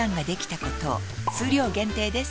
数量限定です